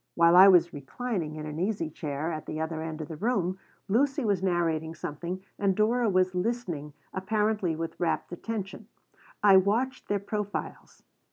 While I was reclining in an easy chair at the other end of the room Lucy was narrating something and Dora was listening, apparently with rapt attention. I watched their profiles.